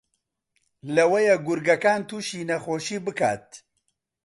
لەوەیە گورگەکان تووشی نەخۆشی بکات